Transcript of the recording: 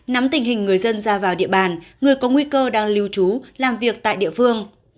nắm tình hình người dân ra vào địa bàn người có nguy cơ đang lưu trú làm việc tại địa phương